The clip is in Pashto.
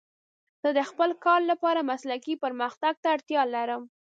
زه د خپل کار لپاره مسلکي پرمختګ ته اړتیا لرم.